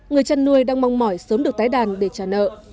người chăn nuôi đang mong mỏi sớm được tái đàn để trả nợ